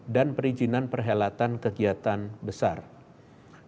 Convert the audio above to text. dan perizinan perhelatan kegiatan masyarakat